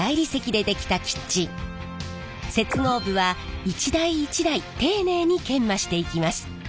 接合部は一台一台丁寧に研磨していきます。